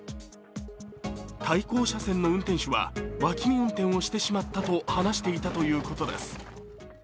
対向車線の運転手は脇見運転をしてしまったと話しているということです。